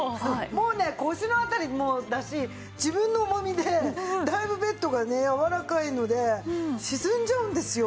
もうね腰の辺りもだし自分の重みでだいぶベッドがね柔らかいので沈んじゃうんですよ。